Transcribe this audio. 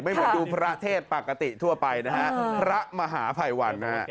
เหมือนดูพระเทศปกติทั่วไปนะฮะพระมหาภัยวันนะฮะ